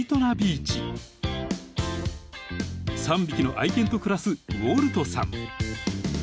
［３匹の愛犬と暮らすウォルトさん］